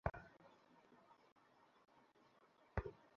পর্যবেক্ষণ টাওয়ারের চারটি সিঁড়ির কাজ শেষ হয়ে এখন চলছে অন্যান্য কাজ।